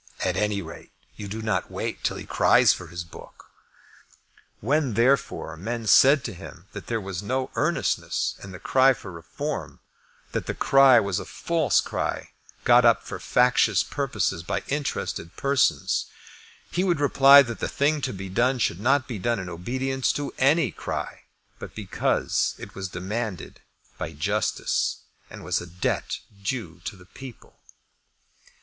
"At any rate, you do not wait till he cries for his book." When, therefore, men said to him that there was no earnestness in the cry for Reform, that the cry was a false cry, got up for factious purposes by interested persons, he would reply that the thing to be done should not be done in obedience to any cry, but because it was demanded by justice, and was a debt due to the people.